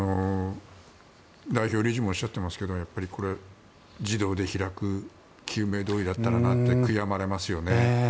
代表理事もおっしゃってますけどやっぱりこれ、自動で開く救命胴衣だったらなって悔やまれますよね。